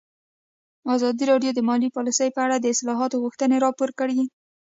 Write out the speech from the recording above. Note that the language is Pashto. ازادي راډیو د مالي پالیسي په اړه د اصلاحاتو غوښتنې راپور کړې.